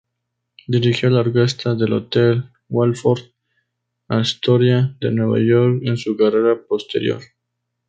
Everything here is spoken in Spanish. Dirigió la orquesta del hotel Waldorf-Astoria de Nueva York en su carrera posterior.